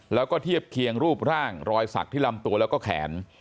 แล้วก็เทียบเคียงรูปร่างรอยสักที่ลำตัวแล้วก็แขน